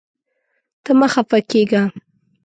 ته مه خفه کېږه.